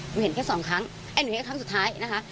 เห็นแค่สองครั้งไอ้หนูเห็นครั้งสุดท้ายนะคะ